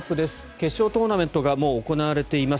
決勝トーナメントがもう行われています。